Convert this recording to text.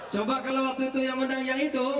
coba kalau waktu itu yang menang yang itu